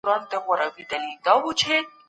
خلګ کولای سي خپلي اندیښنې بیان کړي.